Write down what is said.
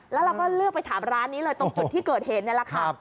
แล้วเราก็เลือกไปถามร้านนี้เลยตรงจุดที่เกิดเหตุนี่แหละค่ะ